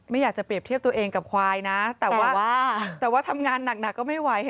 ไม่อยากจะเปรียบเทียบตัวเองกับควายนะแต่ว่าแต่ว่าทำงานหนักก็ไม่ไหว